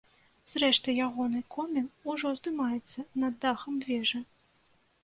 Зрэшты, ягоны комін ужо ўздымаецца над дахам вежы.